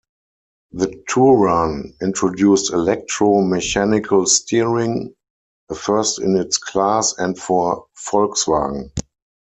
The Touran introduced electro mechanical steering, a first in its class and for Volkswagen.